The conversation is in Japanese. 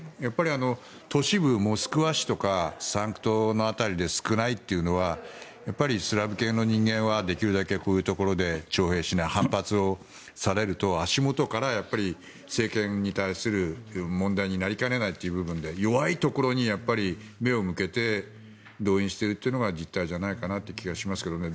都市部、モスクワ市とかサンクトの辺りで少ないというのはやっぱり、スラブ系の人間はできるだけこういうところで徴兵しない、反発をされると足元から政権に対する問題になりかねないという部分で弱いというところに目を向けて動員しているというのが実態じゃないかという気がしますけどね。